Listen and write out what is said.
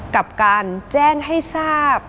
กับการแจ้งให้ทราบ